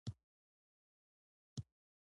دوی د راتلونکو تحولاتو لاره په ځیر څارله